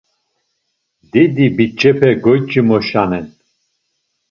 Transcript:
Didi biç̌epe goyç̌imoşanen.